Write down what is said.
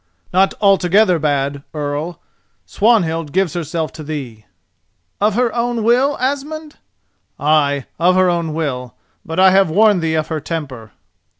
"Not altogether bad, Earl. Swanhild gives herself to thee." "Of her own will, Asmund?" "Ay, of her own will. But I have warned thee of her temper."